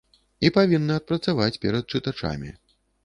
І павінны адпрацаваць перад чытачамі.